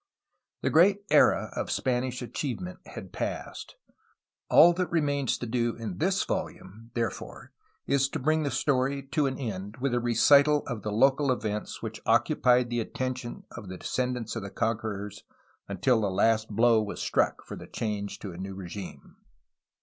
The great era of Spanish achievement had passed. All that remains to do in this volume, therefore, is to bring the story to an end with a recital of the local events which occupied the attention of the descendants of the conquerors until the last blow was struck for the change to a new regime.